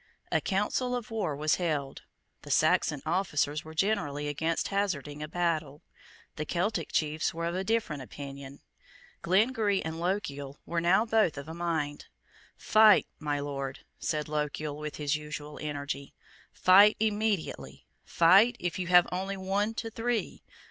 A council of war was held. The Saxon officers were generally against hazarding a battle. The Celtic chiefs were o£ a different opinion. Glengarry and Lochiel were now both of a mind. "Fight, my Lord" said Lochiel with his usual energy; "fight immediately: fight, if you have only one to three.